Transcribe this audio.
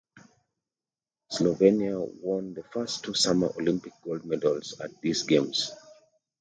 Slovenia won their first two summer Olympic gold medals at these games.